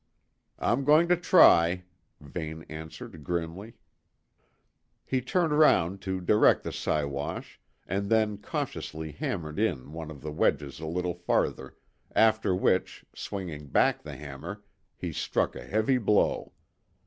"I'm going to try," Vane answered grimly. He turned round to direct the Siwash and then cautiously hammered in one of the wedges a little farther, after which, swinging back the hammer, he struck a heavy blow.